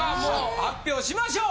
発表しましょう！